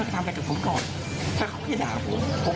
ก็คงไม่ลงมือกันหรอกแต่นี่เขาลงมาลงมือกับภรรยาผม